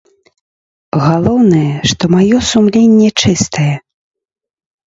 Галоўнае, што маё сумленне чыстае.